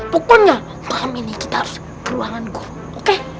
pokoknya paham ya nih kita harus ke ruangan gua oke